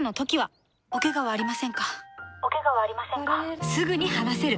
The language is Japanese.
おケガはありませんか？